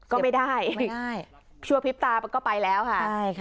ก็ไม่ได้ชัวร์พลิบตามันก็ไปแล้วค่ะใช่